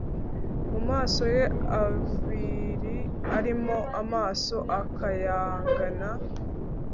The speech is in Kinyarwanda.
Mu maso ye abiri arimo amaso akayangana